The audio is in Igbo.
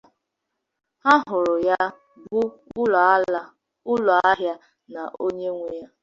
ha hụrụ ya bụ ụlọ ahịa na onye nwe ya